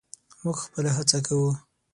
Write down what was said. موږ خپله هڅه کوو.